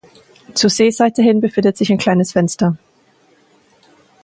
Zur Seeseite hin befindet sich ein kleines Fenster.